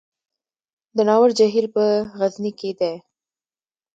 د ناور جهیل په غزني کې دی